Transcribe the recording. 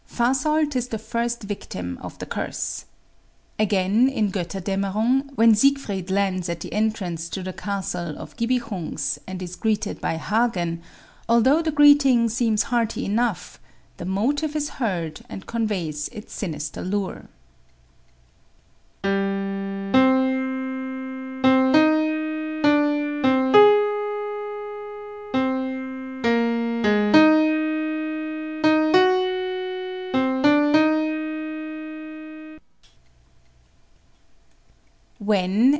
Fasolt is the first victim of the curse. Again, in "Götterdämmerung," when Siegfried lands at the entrance to the castle of Gibichungs, and is greeted by Hagen, although the greeting seems hearty enough, the motive is heard and conveys its sinister lure.